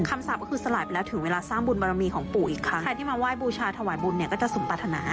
คำสาปก็คือสลายไปแล้วถึงเวลาสร้างบุญบารมีของปู่อีกครั้ง